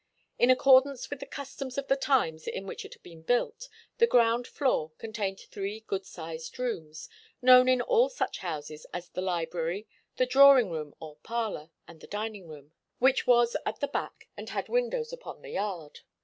In accordance with the customs of the times in which it had been built, the ground floor contained three good sized rooms, known in all such houses as the library, the drawing room or 'parlour,' and the dining room, which was at the back and had windows upon the yard.